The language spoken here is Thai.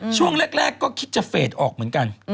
ช่วงแรกก็คิดจะเฟสออกเหมือนกัน